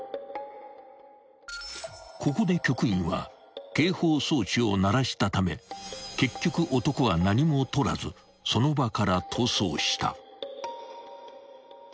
［ここで局員は警報装置を鳴らしたため結局男は何も取らずその場から逃走した］